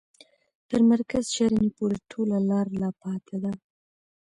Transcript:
تر مرکز شرنې پوري ټوله لار لا پاته ده.